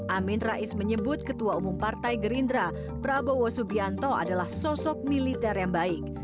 amin rais menyebut ketua umum partai gerindra prabowo subianto adalah sosok militer yang baik